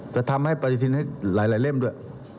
จะทำให้ปฏิทินให้หลายเล่มด้วย